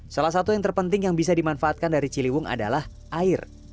salah satu yang terpenting yang bisa dimanfaatkan dari ciliwung adalah air